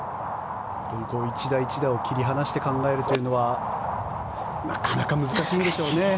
一打一打を切り離して考えるというのはなかなか難しいんでしょうね。